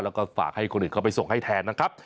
แล้วก็ฝากให้คนอื่นเข้าไปส่งให้แทนนะครับ